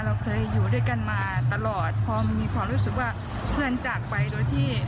เราเคยอยู่ด้วยกันมาตลอดพอมีความรู้สึกว่าเพื่อนจากไปโดยที่